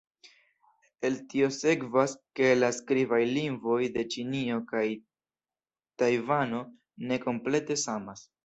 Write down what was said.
El tio sekvas, ke la skribaj lingvoj de Ĉinio kaj Tajvano ne komplete samas.